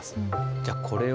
じゃあこれを。